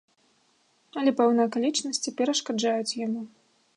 Але пэўныя акалічнасці перашкаджаюць яму.